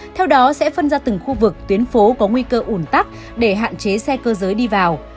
theo đó sẽ phân ra từng khu vực tuyến phố có nguy cơ ủn tắc để hạn chế xe cơ giới đi vào